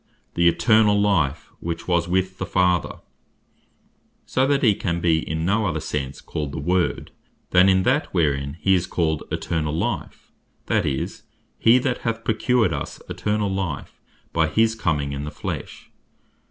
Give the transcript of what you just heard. "The eternall life, which was with the Father:" so that he can be in no other sense called the Word, then in that, wherein he is called Eternall life; that is, "he that hath procured us Eternall life," by his comming in the flesh.